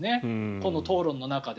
この討論の中で。